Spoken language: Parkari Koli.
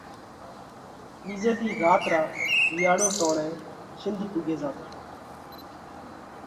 ٻِيزئہ ۮِي رات را وِيئاۯُو ٽوڻئہ شنڌ پُوڳي زاتا۔